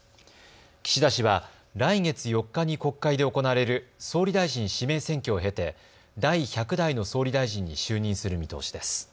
岸田氏は来月４日に国会で行われる総理大臣指名選挙を経て第１００代の総理大臣に就任する見通しです。